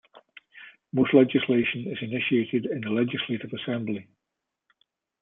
Most legislation is initiated in the Legislative Assembly.